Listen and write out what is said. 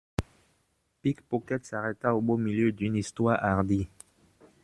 Pickpocket s’arrêta au beau milieu d’une histoire hardie.